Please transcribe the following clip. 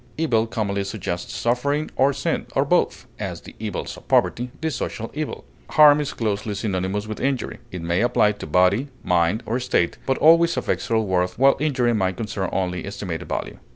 Evil commonly suggests suffering or sin, or both; as, the evils of poverty, the social evil. Harm is closely synonymous with injury; it may apply to body, mind, or estate, but always affects real worth, while injury may concern only estimated value.